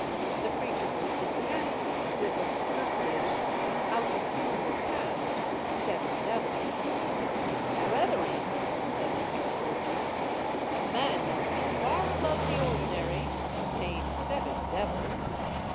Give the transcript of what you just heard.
The preacher was discanting on the Biblical personage "out of whom were cast seven devils.'* "Brethren," said the exhorter, "a man must be far above the ordinary, to contain seven devils.